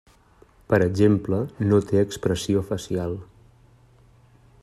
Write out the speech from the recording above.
Per exemple, no té expressió facial.